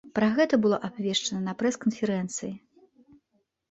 Пра гэта было абвешчана на прэс-канферэнцыі.